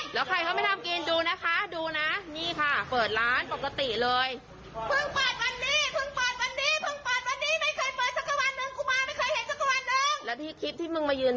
ให้ออกมันใช่หรอมันมาหลอกทำลายธุรกิจเขาเป็นยิ่ง